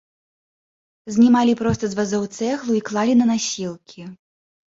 Знімалі проста з вазоў цэглу і клалі на насілкі.